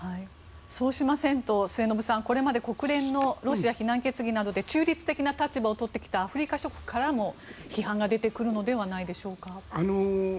そうしませんと末延さん、これまで国連のロシア非難決議などで中立的な立場を取ってきたアフリカ諸国からも、批判が出てくるのではないでしょうか。